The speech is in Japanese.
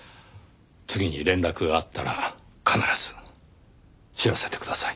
次に連絡があったら必ず知らせてください。